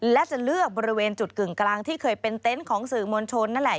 และจะเลือกบริเวณจุดกึ่งกลางที่เคยเป็นเต็นต์ของสื่อมวลชนนั่นแหละ